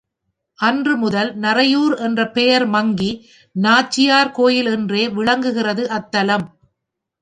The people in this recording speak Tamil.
அன்று முதல் நறையூர் என்ற பெயர் மங்கி நாச்சியார் கோயில் என்றே விளங்குகிறது அத்தலம்.